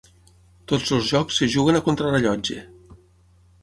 Tots els jocs es juguen a contrarellotge.